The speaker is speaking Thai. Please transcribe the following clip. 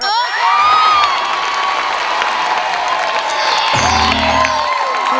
โอเค